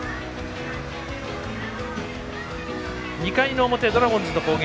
２回の表、ドラゴンズの攻撃。